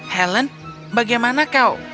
helen bagaimana kau